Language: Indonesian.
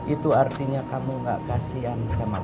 itu artinya kamu nggak kasihan sama bapak